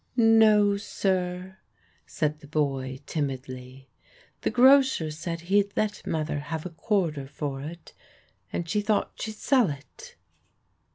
"No, sir," said the boy, timidly. "The grocer said he'd let mother have a quarter for it, and she thought she'd sell it."